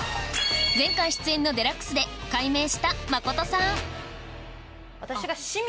前回出演の『ＤＸ』で改名した誠さん私が。